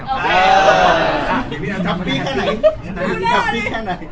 แฮปปี้แค่ไหน